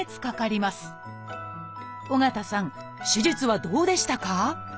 緒方さん手術はどうでしたか？